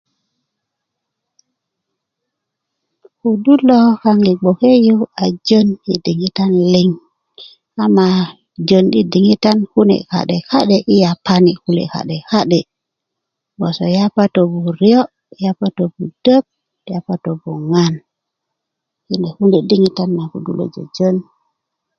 kudu lo kaŋ yi bgoke you a jon diŋitan kune liŋ ama jon i diŋitan kune ka'de ka'de ko i yapani ka'de ka'de bgoso yapato buriö yapato budök yapato buŋan kine kune diŋitan naŋ kudu lo jojon